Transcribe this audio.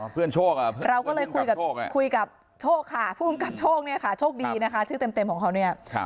โชคเราก็เลยคุยกับคุยกับโชคค่ะผู้กำกับโชคเนี่ยค่ะโชคดีนะคะชื่อเต็มของเขาเนี่ย